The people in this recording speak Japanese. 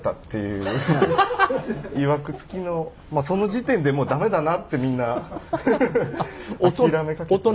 まあその時点でもう駄目だなってみんな諦めかけて。